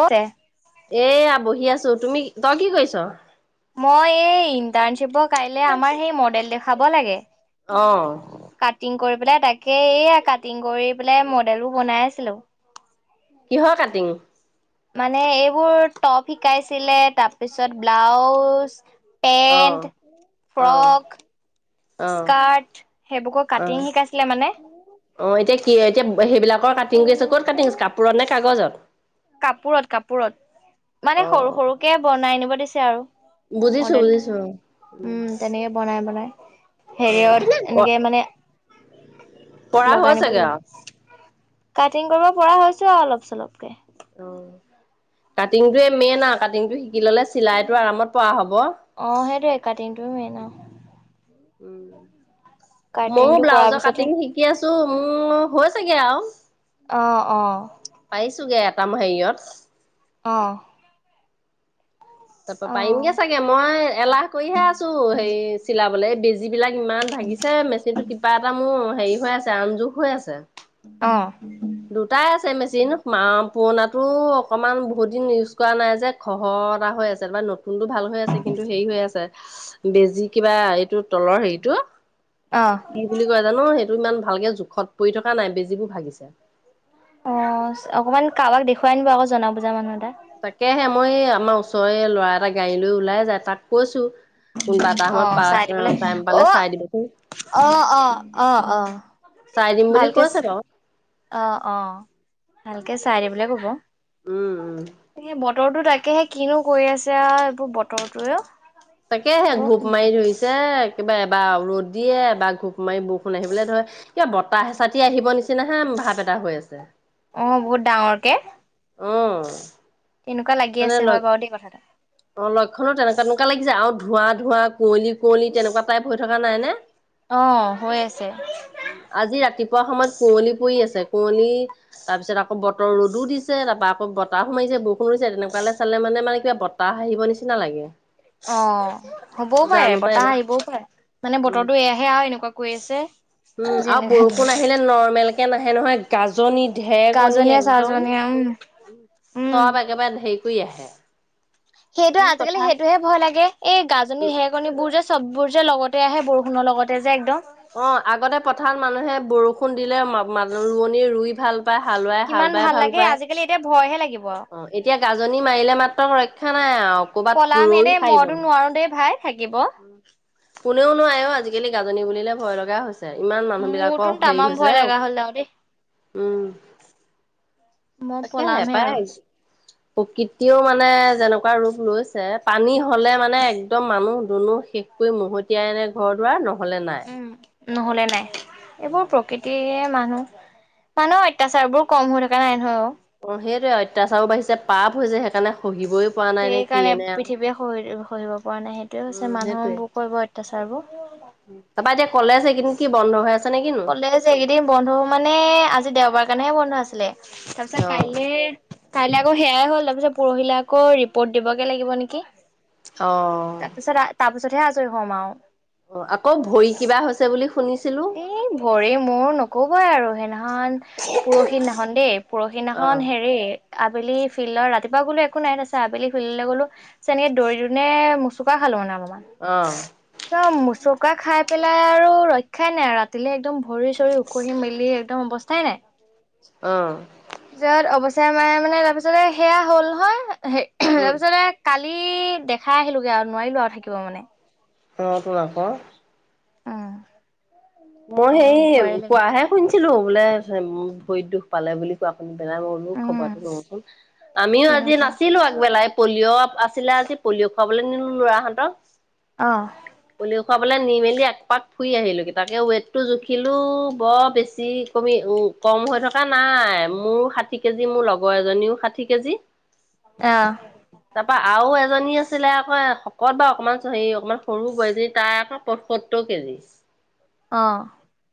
অতে এয়া বহি আছো। তুমি তই কি কৈছ? মইয়ে ইণ্টাৰ্ণ আহিব কাইলে আমাৰ সেই মডেল দেখাব লাগে অ', কাটিং কৰ পেলায় তাকে এইয়া কাটিং কৰি পেলায় মডেল বোৰ বনাই আছিলো। কিহৰ কাটিং? মানে এইবোৰ টপ শিকাইছিলে তাৰপিছত ব্লাউজ অ', পেণ্ট, অ', ফ্ৰক অ', স্কাৰ্ট সেইবোৰকো অ', কাটিং শিকাইছিলে মানে অ, এতিয়া কি এতিয়া সেইবিলাকৰ কাটিং গ আছে। ক'ত কাটিং আছে কাপোৰত নে কাগজত। কাপোৰত-কাপোৰত মানে সৰু অ', সৰুকে বনাই নিব দিছে আৰু বুজিছো মডেল বুজিছো উম তেনেকে বনাই-বনাই। হেৰিয়ত অ', এনেকে মানে পৰা লগাই নিব হৈছেগে আৰু লাগিব। কাটিং কৰিব পৰা হৈছো আৰু অলপ চলপকে অ', কাটিংটো মেইন আৰু কাটিংটো শিকি ললে চিলাইটো আৰামত পৰা হ'ব। অ সেইটোৱে কাটিং টো মেইন আউ উম, ময়ো কাটিংটো কৰাৰ ব্লাউজৰ পিছতে কাটিং শিকি আছো। উম হৈচেগে আৰু। অ', অ', একদম হেৰিয়ত অ। তাৰপৰা অ অ পাৰিমগে চাগে মই এলাহ কৰিহে আছোঁ হেৰি চিলাবলে এই পিজ। বিলাক ইমান ভাগিছে মেচিনতো কিবা এটা মোৰ হেৰি হৈ আছে। আম যোক হৈ আছে। অ। দুটাই আছে মেচিন পুৰণাতো অকমান বহুত দিন ইউজ কৰা নাই যে, খহৰ। [unintelligible] এটা হৈ আছে তাৰ নতুনতো ভাল হৈ আছে কিন্তু হেৰি হৈ আছে। বেজি কিবা এইটো তলৰ হেৰিটো অ কি বুলি কয় জানো সেইটো ইমান ভাল। ভালকে জোখত পৰি থকা নাই বেজিবোৰ ভাগিছে। অ, অকমান কাৰোবাক দেখুৱাই নিনিব আকৌ জনা বুজা মানুহ এটা। তাকেহে মই এই আমাৰ ওচৰৰে ল'ৰা এটা গাড়ী লৈ ওলাই যায় তাক কৈছো। কোনবা এটা অ সময়ত চাই দিবলে প টাইম অ পালে চাই দিবিচোন। অ অ অ অ চাই দিম বুলি কৈ আছে বাৰু। অ-অ ভালকে চাই দিবলে ক'ব। উম উম। সেই বতৰটো তাকেহে কিনো কৰি আছে এইবোৰ বতৰটোৱে। তাকেহে বৰ ঘূপ খেলি মাৰি কৰিছে ধৰিছে। কিবা এবাৰ ৰ'দ দিয়ে এবাৰ ঘোপ মাৰি বৰষুণ আহিবলৈ ধৰে কিবা বতাহ চাতি আহিব নিচিনা। নিচিনাহে ভাপ এটা হৈ আছে। অ', বহুত ডাঙৰকে। অ, তেনেকুৱা লাগি মানে আছে লগ হয় বাৰু দেই কথা এটা অ লক্ষণো তেনেকুৱা তেনেকুৱা লাগিছে, আৰু ধোৱা ধোৱা কুঁৱলী কুঁৱলী তেনেকুৱা টাইপ। হৈ থকা নাইনে? অ হৈ আছে আজি ৰাতিপুৱ পুৱা সময়ত কুঁৱলী পৰি আছে, কুঁৱলী তাৰপিছত আকৌ বতৰ ৰ'দো দিছে তা পা আকৌ বতাহো মাৰিছে বৰষুণো সোমাইছে তেনেকুৱালৈ চালে মানে মানে কিবাত তাহ আহিব নিচিনা লাগে। অ হ'বও পাৰে জানো পাই বতাহ এবাৰ আহিবও পাৰে মানে উম বতৰটো এয়াহে আৰু এনেকুৱা কৰি আছে উম আৰু যেনেকা বৰষুণ আহিলে নৰ্মেল কে নাহে নহয় গাজ জনী ঢেৰকণী গাজনীয়া একদম, চাজনীয়া উম, উম। চব একেবাৰে ধেৰি কৰি আহে সেইটোে কি আজিকালি কথা সেইটোহে ভয় লাগে এই গাজনী হেকনী বোৰ যে চববোৰ যে লগতে আহে বৰষুণৰ লগতে যে একদম অ' আগতে পথাৰত মানুহে বৰষুণ দিলে মা ৰুৱনী ৰুই ভাল পাই, হালোৱাই হাল কিমান বাই ভাল লাগে পায় আজিকালি এতিয়া ভয়হে লাগিব আৰু। অ', এতিয়া গাজনি মাৰিলে মাত্ৰ ৰক্ষা নাই আৰু কৰ'বাত পলাম ৰৈও এনে সাৰিব মইটো নোৱাৰো দেই ভাই থাকিব। কোনেও নোৱাৰেও আজিকালি গাজনী বুলিলে ভয় লগা হৈছে। ইমান মোৰতোন মানুহবিলাকৰ হেৰি তামাম ভয় হৈছে, লগা হ'ল আৰু দেই উম। মই তাকেহে পলামহে পাই আৰু। আহিছোঁ। প্ৰকৃতিয়ও মানে যেনেকুৱা ৰূপ লৈছে পানী হ'লে মানে একদম মানুহ দুনু শেষ কৰি মহতিয়াই আনে ঘৰ দুৱাৰ, ন'হলে নাই। উম, নহ'লে নাই এইবোৰ উম। প্ৰকৃতিৰে মানুহ, মানুহৰ অত্যাচাৰ বোৰ কম হৈ থকা নাই নহয় অ' অ' সেইটোৱে, অত্যাচাৰো বাঢ়ি, পাপ হৈছে সেইকাৰণে সহিবই পৰা নাই নে সেই কি কাৰণে এনে আৰু। পৃথিৱীয়ে সহি সহিব পৰা নাই সেইটোৱে হৈছে উম মানুহবোৰ কৰিব অত্যাচাৰবোৰ তাৰাপা এতিয়া কলেজ সেই কিন্তু কি বন্ধ হৈ আছে? নে কিনো? ক'লে যে এইকেইদিন বন্ধ মানে আজি দেওবাৰ কাৰণেহে বন্ধ আছে তাইচত অ। কাইলে কাইলৈ আকৌ সেয়াই হ'ল, তাৰ পিছত পৰহিলে আকৌ ৰিপৰ্ট দিবগে লাগিব নেকি? অ'। পিছতহে আজৰি হ'ম আৰু। অ আকৌ ভৰি কিবা হৈছে বুলি শুনিছি এই ভৰি মোৰ ন'কবই আৰু সেইদিনাখন পৰহি দিনাখন দেই অ পৰহিদিনাখন হেৰি আবেলি ফিল্ডৰ ৰাতি বা বোলো একো নাই তাচত আবেলি খুলিলে গলো চেনে দৰি দিনে মুচুকা খালো মানে অলপ। অ চাওঁ মোচোকা খাই পেলাই আৰু ৰক্ষাই নাই আৰু ৰাতিলৈ একদম ভৰি চৰি উখহি মেলি একদম অৱস্থাই নাই। অ'। পিছে মানে মানে তাৰপিছতে সেয়া হ'ল নহয় হে উম তাৰপিছতে কালি দেখাই আহিলো আৰু নোৱাৰিলো আৰু থাকিব মানে। অ' তো আকৌ অ'। মই সেই কোৱাহে শুনিছিলো বোলে ভৰিত দুখ পালে বুলি কোৱা শুনি [unintelligible] মোৰ উম খবৰটো ল'বচোন, আমিও আজি তেনেকুৱা নাছিলোঁ আগবেলাই পলিঅ' আছিলে আজি পলিঅ' খুৱাবলৈ নিলো লৰাহঁতক আহ। খুৱাবলে নি মেলি একপাক ফুৰি আহিলোগে। তাকে ৱেইটটো জুখিলোও বৰ বেছি কমি কম হৈ থকা নাই, মোৰ ষাঠি কেজি মোৰ লগৰ এজনীও ষাঠি কেজি। অ'। তাৰপা আৰু এজনী আছিলে আকৌ শকত বা অকণমান হেৰি অকণমান সৰু বোৱাৰীজনী তাই আকৌ পয়সত্তৰ কেজি ট্ৰেইছ অ'।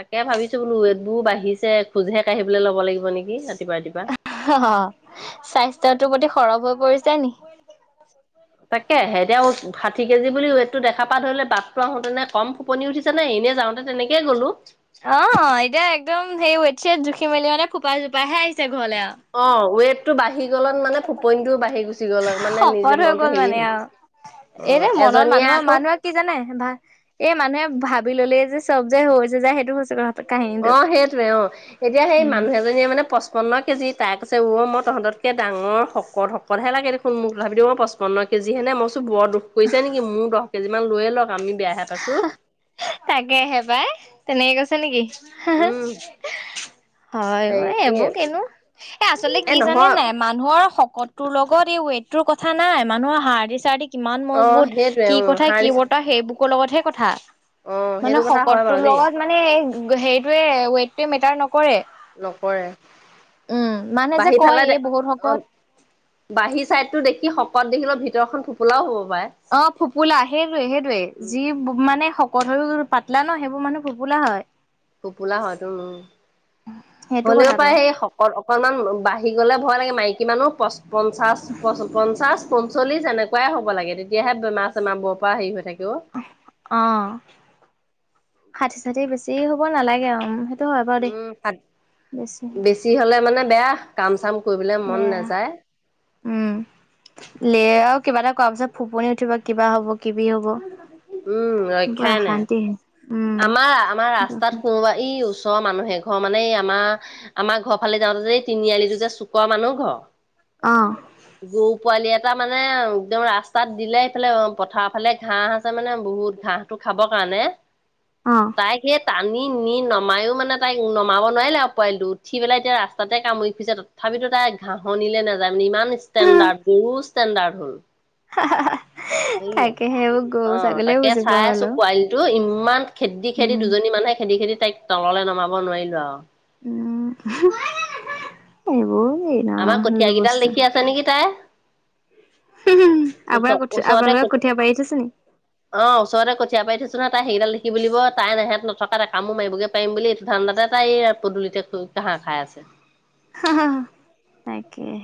তাকে ভাবিছো বোলো ৰেদবোৰ বাঢ়িছে খোজহে কঢ়িবলৈ লব লাগিব নেকি। ৰাতিপুৱা ৰাতিপুৱা। অ' স্বাস্থ্যটো প্ৰতি সৰব হৈ পৰিছে নি? তাকে হে, এতিয়া ষাঠি কেজি বুলি ৱেট টো দেখা পা ধৰিলে বাটটো আহোঁতে নে কম ফুপনি উঠিছে নে এনে যাওঁতে তেনেকে গ'লো অ এতিয়া একদম সেই ৱেট জুখি মেলি মানে খোপা জোপাহে আহিছে ঘৰলে আৰু অ ৱেটটো বাঢ়ি গ' মানে ফুপইনটোও বাঢ়ি গল গুচি গ'ল মানে নিজে মনতটো হেৰি আহ [inaudible] এই যে মনত মানুহৰ মানুহে কি জানে ভা এই মানুহে ভাবি ল'লে যে চব যে হৈছে যায় সেইটো্ত অ সেইটোৱে অ এতিয়া সেই উম। মানুহ এজনীয়ে মানে পচপন্ন কেজিত তাই কৈছে মই তহঁতকে ডাঙৰ শকত শকতহে লাগে দেখোন মোক তথাপি মই পঁচপন্ন কেজিহে নে মই বৰ দুখ কৰিছে নেকি মোৰ দহ কেজি মান লৈয়ে লওক আমি বেয়া হে পাইছোঁ তাকে আহে পাই তেনেকে কৈছে নেকি হ উম হ হয় হেৰি এইবোৰ কনো এ আচলতে কি জানে নাই মানুহৰ শকত তোৰ লগত এই ৱেটটোৰ কথা নাই মানুহৰ হাঁহ বিচাৰ কিমান অ মজবুত সেইটোৱে কি উ কথা সাৰ কি দিছে বৰ্তা সেইবুকৰ লগতহে কথা অ মানে সেইটো কথা হয় বাৰু শকতটোৰ দেই লগত মানে হেৰিতয়ে ৱেইটোৱে মেটাৰ নক কৰে নকৰে উম মানে যে কয় এই বহুত শকত বাহী চাইডতো দেখি শকত দেখিলে ভিতৰখন খোপোলাও হ'ব পাৰে অ ফোপোলা সেইটয়ে সেইটয়ে যি উম মানে কঠা টো যদি পাতলা ন সেইবোৰ মানুহ ফোপোলা হয় ফোপোলা হয়তো উ সেইটো হ'লেও কথাটো পাৰে সেই শকত অকনমান বাঢ়ি গ'লে ভয় লাগে মাইকী মানুহ প পঞ্চাশ প পঞ্চাশ পঞ্চল্িছ এনেকুৱাই হ'ব লাগে তেতিাহে বেমাৰ চেমাৰ বৰ পৰা হেৰি হৈ থাকে অ অ ষাঠি ষাঠি বেছি হ'ব নালাগেেই [inaudible] উম বেছি হলে মানে বেয়া কাম চাম কৰিবলৈ মন বেয়া নাযায় উম লে কিবা এটা কোৱাৰ পিছত ফোপনি উঠিব কিবা হব কিবি হব উম ব ৰক্ষাই নাই অশান্তিে আমাৰ আমাৰ ৰাস্তাত কোনোবা ই [inaudible] চৰ মানুহে ঘৰ মানে আমাৰ আমাৰ ঘৰ ফালে যাওঁতে যে এই তিনিআলিটো যে চুকোৱা মানুহ ঘৰ [inaudible] আহ গৰু পোৱালি এটা মানে একদম ৰাস্তাত দিলে এইফালে পথাৰৰ ফালে ঘাঁহ আছে মানে বহুত ঘাঁহটো [inaudible] খাব কাৰণে অ তাই সেই তাত নি নি নমায়ো মানে তাইক নমাব নোৱাৰিলে আৰু পোৱালিটো উঠি পেলাই এতিয়া ৰাস্ততে কামুৰি খুজছে তথাপিতো তাই ঘাঁহনিলে নাযায় মানে ইমান ষ্টেণ্ডাৰ্ড গৰু ষ্টেণ্ডাৰ্ড হল হাঁহ [inaudible] হেয়া অ তাকে বুজি পোৱা চাই হ'ল আছো আৰু পোৱালিটো ই ইমান খেদি খেদি উম দুজনী মানুহে খেদি খেদি তাইক তললে নমাব নোৱাৰিলো আৰু উম এইবোৰ এই ন আমাৰ কঠীয়া হ্ল বস্ত [inaudible] ওচ-ওচৰতে আপোনালোকে কঠীয়া পাৰি থৈছে নি? অ ওচৰতে কঠিয় পাৰি থৈছো। তাই সেইকডাল লিুলিব তাই নেহেত নথকা তটা কামো মাৰিবগৈ পাৰম বুলি এইটো ধাৰণাতে তাই পদূলিততে [inaudible] ঘাহ খায় আছে হা হা হা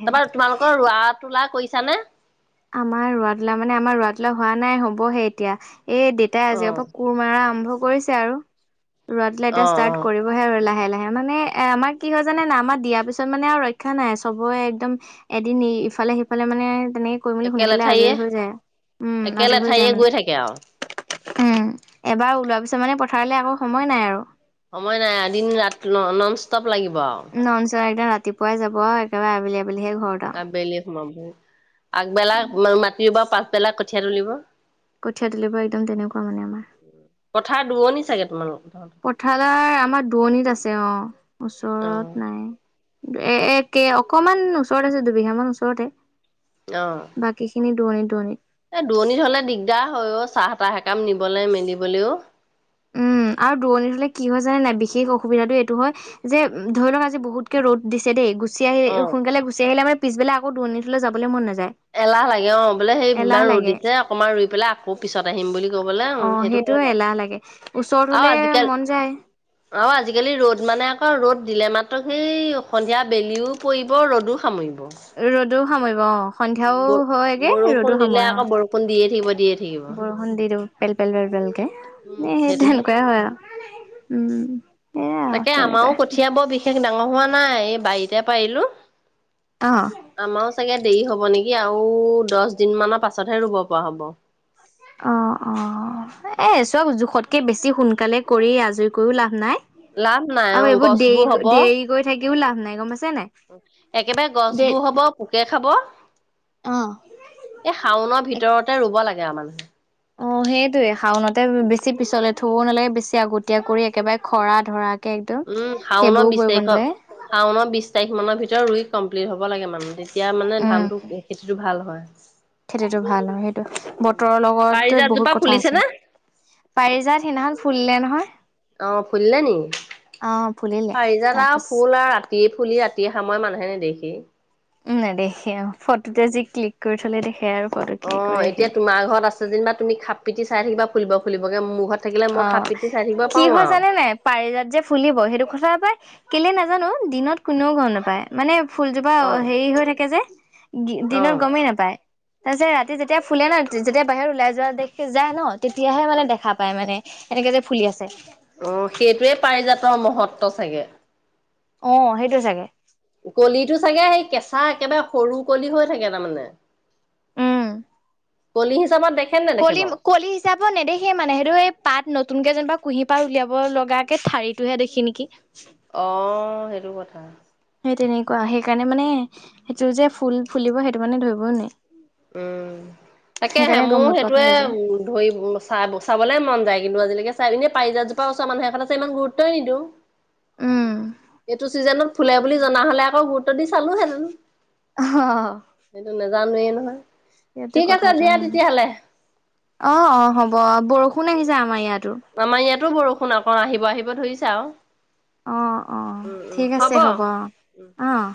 তাৰপৰা তোমালোকৰ ৰোৱা তোলা কৰিছ নে আমাৰ ৰৰাটোলা মানে আমাৰ ৰৰাটোলা হোৱা নাই হবহে এতিয়া এ দউেতাই অ আজিৰ পৰা কোৰ মাৰা আৰম্ভ কৰিছে আৰু ৰৱা টলা অ এটা অ ষ্টাৰ্ট কৰিবহে আৰু লাহে লাহে মানে এ আমাৰ কি হয় জানে না আমাৰ দিয়া পিছত মানে আৰু ৰক্ষা নাই চবৰে একদম এদিন ইফালে সিফালে মানে তেনে কৰি মেলি একে সোনকালে লেঠাৰিয়ে আজৰি হৈ যায় উম একে আজৰি হৈ যায় লেঠাৰিয়ে মানে গৈ থাকে আও। উম এবাৰ ওলোৱা পিছত মানে পথাৰলৈ আকৌ সময় নাই আৰু সময় নাই এদিন ৰা ন নন ষ্টপ লাগিব আৰু [inaudible] নন ষ্টপ একদম ৰাতিপুৱাই যাব একেবাৰে আবেলি আবেলিহে ঘৰত আৰু আবেলি আগবেলা মাতি ৰুবো পাছবেলাক কঠীয়া তুলিব কঠিয় দ [inaudible] পৰা একদম তেনেকুৱা মানে আমাৰ কঠা দুৰনি চাগে তোমালোক। পথালাৰ আমাৰ দুৱণিত আছে অ অ ওচৰত নাই এ এ কেই অকমান ওচৰত আছে দুবিঘা মান ওচৰতে অ বাকী খিনি দূৰণিত দুৰণিত এ দূৰণিত হলে দিগদাৰ হয় অ, চাহ তাহ এককাম নিবলৈ মেলিবলৈও। উম আৰু দূৰণি হলে কি হয় জানে নাই বিশেষ অসুবিধাতটো এইটো হয় যে ধৰি লও আজি বহুতে ৰ'দ দিছে দেই। গুচ অ। আহ, সকালে গুচি আহিলেমাৰ পিছেল আকৌ দৰণিলৈ যাবলৈ মন নযায়। এলাহ লাগে অ বোলে সেই ইমান ৰু লাগে দিছে অকমান ৰুই পেলাই আকৌ পিছত আহিম বুলি কবলে উ সেইটো টো হয় বাৰু। এলাহ লাগে ওচৰত আৰু হলে আজিকালি মন যায় আৰু আজিকালি ৰ'দ মানে এনেকা ৰ'দ দিলে মাত্ৰ সেই সন্ধিয়া বেলিও পৰিব ৰ'দো সামৰিব ৰ'দো সামৰিব অ সন্ধিয়াও ব হয়গে বৰষুণ ৰ'দো দিলে সময় অ, আকৌ বৰষুণ দিয়ে থাকিব দিয়ে থাকিব। বৰষুণ দি দিও পেল - পেল - পেল। তেওলোকে উম সেই সেইটোহে। তেনেকুৱাই হয় আৰু উম। এয়া তাকে আমাৰো তেনেকুৱাই কঠীয়া বৰ বিশেষ ডাঙৰ হোৱা নাই এই বাৰীতে পাৰিলো অ আমা চাগে দেৰি হ'ব নেকি আৰু দহ দিন মানৰ পাছতহে ৰুব পৰা হ'ব অ - অ এ চব জোখতকে বেছি সোনকালে কৰি আজৰিকও লাভ নাই। লাভ নাই আৰু অ এইবোৰ দেৰি গছবোৰ হব দেৰি কৰি থাকিও লাভ নাই গম পাইছ একেবাৰে গছবোৰ হব পোকে খাব অ এই শাওনৰ ভিতৰতে ৰুব লাগে আৰু মানুহে অ, সেইটয়ে শাওনতে বেছি পিছলে থব নালাগে বেছি আগতীয়া কৰি একেবাৰে খৰা ধৰা। উম, শাওনৰ বিশ তাৰিখৰ- শাওনৰ বিশ তাৰিখ মানৰ ভিতৰত ৰুই কমপ্লিট হব লাগে মানহ এতিয়া মানে উম ধানটো খেতিটো ভাল হয় খেতিটো ভাল আৰু সেইটো বতৰৰ লগত পাৰিজাতজোপা বহুত কথা ফুলিছে আছে নে পাৰি যাত সিদিনাখন ফুলিলে নহয়। অ ফুলিলে নি অ ফুলিলে পাৰিজাট আৰু তাৰপিছত ফুল আৰু ৰাতি ৰাতি ফুলি ৰাতিয়ে সামৰে মানুহে নেদেখি উম, নাই দেখে অ, ফটোতে আজি ক্লিক কৰি থলে দেখে আৰু। ফটো অ ক্লিক কৰি এতিয়া ৰাখিলে তোমাৰ ঘৰত আছে যেনিবা তুমি খাপ পিতি চাই থাকিবা ফুলিব খুলিবগে মোৰ ঘৰত থাকিলে অ মই খাপ পিতি চাই থাকিব কি পাৰো হয় জানে নাই পাৰিজাত যে ফুলিব সেইটো কথা পাই কেলে নাজানো দিনত কোনেও গম নাপায় মানে ফুলজোপা আৰু হেৰি হৈ থাকে যে দিনত অ অ গমেই নাপায় তাৰপিছত ৰাতি যেতিয়া ফুলে ন যেতিয়া বাহিৰত ওলাই যোৱা দে যায় ন তেতিয়াহে মানে দেখা পায় মানে। এনেকৈ যে ফুলি আছে উ, সেইটোৱে পাৰিজাতৰ মহত্ব চাগে। অ সেইটো চাগে কলিটো চাগে সেই কেচা একেবাৰে সৰু কলি হৈ থাকে তাৰমানে। উম কলি হিচাবত দেখি কলি কলি হিচাপ নেদেই সেই মানে সেইটো এই পাত নতুনকে যেনিবা কুঁহি পাৰ উলিয়াব লগাক কে ঠাৰিটোহে দেখি নেকি অ, সেইটো কথা। সেই তেনেকুৱা সেইকাৰণে মানে সেইটো যে ফুল ফুলিব সেইটো মানে ধৰিব নুৱাই উম তাকেহে গম মোৰ নোপোৱাকে সেইটয়ে হৈ যায় উম, ধৰি চ- চাবলে মন যায় কিন্তু আজিলৈকে চাই এনে পাৰিজাতজোপা ওচৰ মানুহ এঘত আছে ইমান গুৰুত্বই নিদিওঁ উম এইটো চিজনত ফুলে বুলি জনা হলে আকৌ গুৰুত্ব দি চালো হেঁতেন আহ জানোৱে নহয় সেইটো ঠিক আছে কথাটো দিয়া ম তেতিয়াহ'লে। অ অ হ'ব বৰষুণ আহিছে আমাৰ ইয়াত আমাৰ ইয়াতো বৰষুণ আকৌ আহিব - আহিব ধৰিছা আৰু। অ, অ, উম উম ঠিক আছে হ'ব অ'।